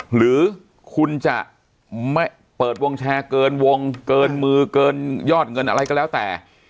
หรือคุณจะไม่เปิดวงแชร์เกินวงเกินมือเกินยอดเงินอะไรก็แล้วแต่